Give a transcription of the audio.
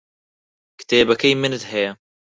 کتێبەکەی منت هەیە؟